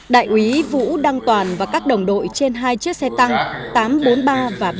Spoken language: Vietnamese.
đại úy vũ đăng toàn và các đồng đội trên hai chiếc xe tăng tám trăm bốn mươi ba và ba trăm ba